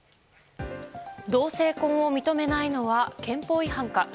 同性婚を認めないのは憲法違反か。